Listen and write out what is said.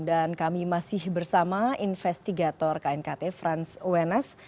dan kami masih bersama investigator knkt frans wenes